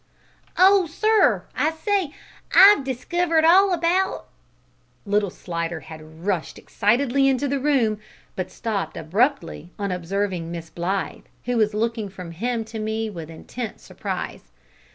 "Oh, sir! I say! I've diskivered all about " Little Slidder had rushed excitedly into the room, but stopped abruptly on observing Miss Blythe, who was looking from him to me with intense surprise.